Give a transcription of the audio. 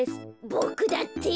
ボクだって！